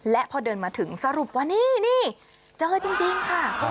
และพอเดินมาถึงสรุปว่านี่เจอจริงค่ะ